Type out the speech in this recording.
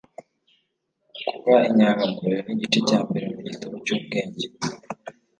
kuba inyangamugayo ni igice cya mbere mu gitabo cy'ubwenge